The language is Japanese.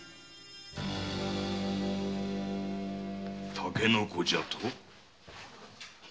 竹の子じゃと？